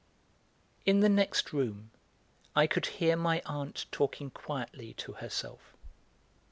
In the next room I could hear my aunt talking quietly to herself.